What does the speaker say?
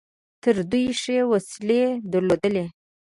تر دوی ښې وسلې درلودلې.